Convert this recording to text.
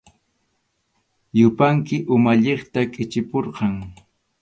Yupanki umalliqta qichupurqan.